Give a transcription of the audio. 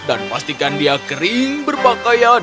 dan pastikan dia kering berpakaian